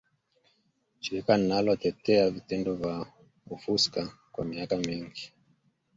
Shirika linalo tetea vitendo vya ufuska kwa miaka mingi